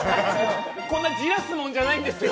こんなじらすもんじゃないですよ。